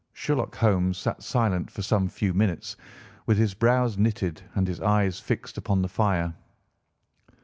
Sherlock Holmes sat silent for some few minutes, with his brows knitted and his eyes fixed upon the fire.